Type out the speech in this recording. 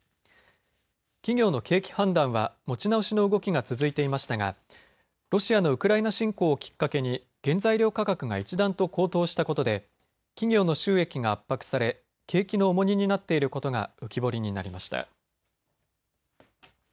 企業の景気判断は持ち直しの動きが続いていましたがロシアのウクライナ侵攻をきっかけに原材料価格が一段と高騰したことで企業の収益が圧迫され景気の重荷になっていることが浮き彫りになりました。